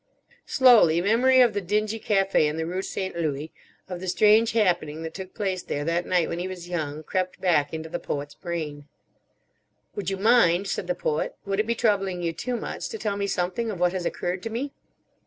Slowly, memory of the dingy café in the Rue St. Louis, of the strange happening that took place there that night when he was young, crept back into the Poet's brain. "Would you mind," said the Poet, "would it be troubling you too much to tell me something of what has occurred to me?"